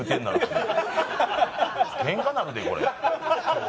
ケンカなるでこれ今日。